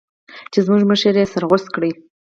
چې زموږ مشر يې سر غوڅ کړ.